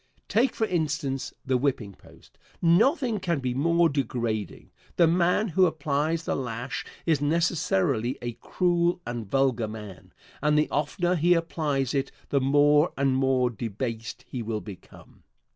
Take, for instance, the whipping post. Nothing can be more degrading. The man who applies the lash is necessarily a cruel and vulgar man, and the oftener he applies it the more and more debased he will become.